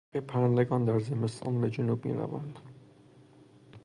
برخی پرندگان در زمستان به جنوب میروند.